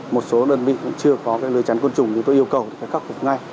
một số đơn vị cũng chưa có cái lưới chắn côn trùng chúng tôi yêu cầu thì phải khắc phục ngay